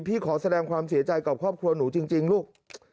ขอแสดงความเสียใจกับครอบครัวหนูจริงลูก